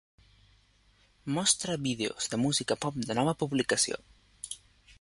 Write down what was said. Mostra vídeos de música pop de nova publicació.